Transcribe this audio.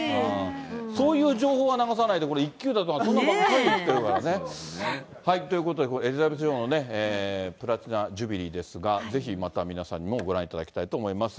そういう情報は流さないで、これ、１級だとかそんなのばっかり言ってね。ということで、エリザベス女王のプラチナジュビリーですが、ぜひ、皆さんにもご覧いただきたいと思います。